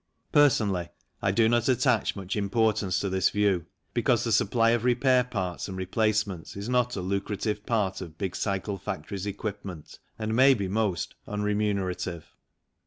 Personally, I do not attach much importance to this view because the supply of repair parts and replacements is not a lucrative part of a big cycle factory's equipment and may be most unremunerative.